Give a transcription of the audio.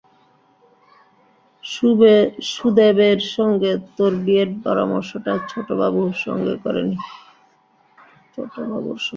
সুদেবের সঙ্গে তোর বিয়ের পরামর্শটা ছোটবাবুর সঙ্গে করে নি।